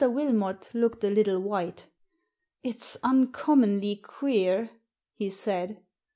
Wilmot looked a little white. " It's uncommonly queer," he said.